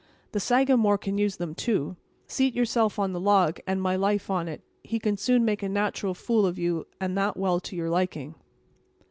The Sagamore can use them, too. Seat yourself on the log; and my life on it, he can soon make a natural fool of you, and that well to your liking."